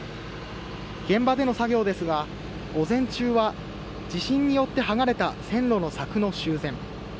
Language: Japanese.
現場での作業ですが午前中は地震によって剥がれた線路の柵の修繕。